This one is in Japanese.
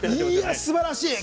すばらしい。